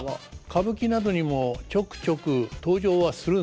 歌舞伎などにもちょくちょく登場はするんです。